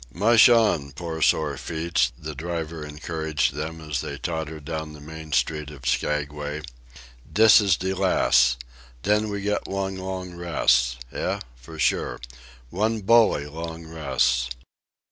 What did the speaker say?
"Mush on, poor sore feets," the driver encouraged them as they tottered down the main street of Skaguay. "Dis is de las'. Den we get one long res'. Eh? For sure. One bully long res'."